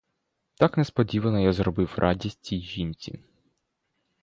Так несподівано я зробив радість цій жінці.